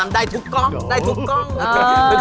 ได้ทุกกล้อง